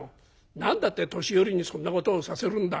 何だって年寄りにそんなことをさせるんだ。